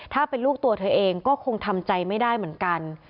ถ้าเป็นลูกตัวเธอเองก็คงทำใจไม่ได้เหมือนกัน